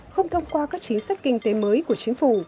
không thông qua các chính sách kinh tế mới của chính phủ